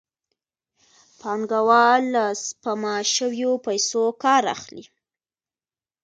پانګوال له سپما شویو پیسو کار اخلي